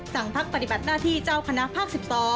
สั่งพักปฏิบัติหน้าที่เจ้าคณะภาค๑๒